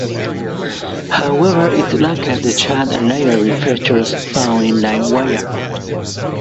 However, it lacked the chat and library features found in LimeWire.